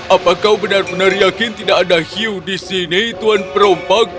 apa kau benar benar yakin tidak ada hiu di sini tuan perompak